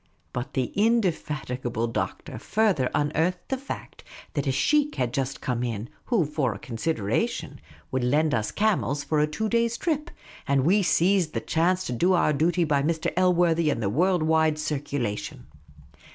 But the indefatigable Doctor further unearthed the fact that a sheikh had just come in, who (for a consideration) would lend us camels for a two days' trip ; and we seized the chance to do our duty by Mr. Elworthy and the world wide circula tion.